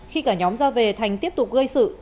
khi cả nhóm ra về thành tiếp tục gây sự